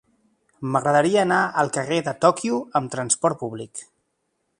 M'agradaria anar al carrer de Tòquio amb trasport públic.